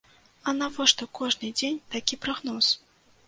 А навошта кожны дзень такі прагноз?